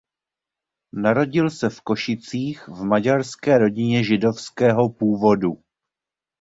Narodil se v Košicích v maďarské rodině židovského původu.